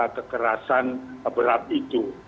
dan berat itu